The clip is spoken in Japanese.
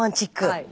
はい。